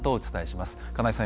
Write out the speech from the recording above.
金井さん